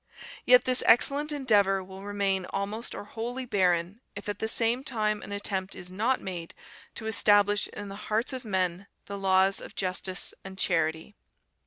Yet this excellent endeavour will remain almost or wholly barren if at the same time an attempt is not made to establish in the hearts of men the laws of justice and charity.